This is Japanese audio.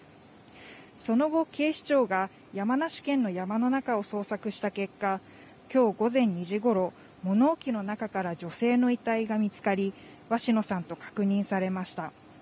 その後、警視庁が山梨県の山の中を捜索した結果、きょう午前２時ごろ、物置の中から女性の遺体が見つかり、鷲野さんと確認されました。